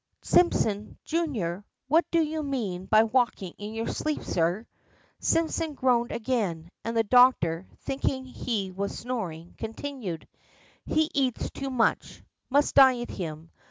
"Simpson, junior, what do you mean by walking in your sleep, sir?" Simpson groaned again, and the doctor, thinking he was snoring, continued, "He eats too much; must diet him.